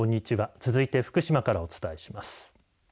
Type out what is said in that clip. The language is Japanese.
続いて福島からお伝えします。